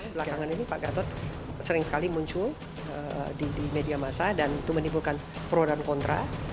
belakangan ini pak gatot sering sekali muncul di media masa dan itu menimbulkan pro dan kontra